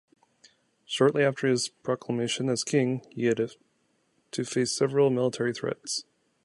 Shortly after his proclamation as king, he had to face several military threats.